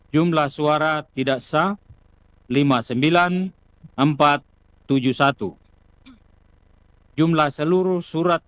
jumlah suara tidak sah